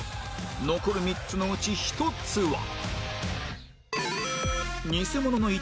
残る３つのうち１つは